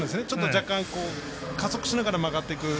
若干、加速しながら曲がっていく。